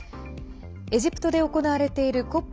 エジプトで行われているＣＯＰ